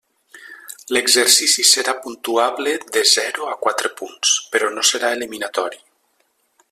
L'exercici serà puntuable de zero a quatre punts, però no serà eliminatori.